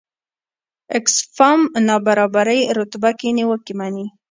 اکسفام نابرابرۍ رتبه کې نیوکې مني.